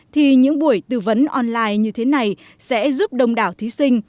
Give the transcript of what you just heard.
thì những buổi tư vấn online như thế này sẽ giúp đông đảo thí sinh